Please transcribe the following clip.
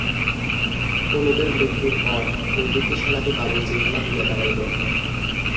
অনুপের মৃত্যূর পর অতিথিশালাটি বাবুর্চিখানা হইয়া দাঁড়াইল।